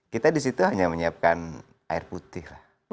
kita di situ hanya menyiapkan air putih lah